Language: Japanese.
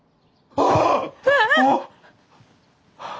ああ！